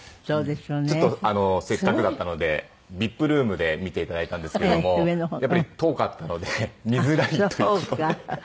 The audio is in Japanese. ちょっとせっかくだったのでＶＩＰルームで見ていただいたんですけどもやっぱり遠かったので見づらいという事で。